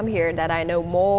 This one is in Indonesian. saya tahu lebih banyak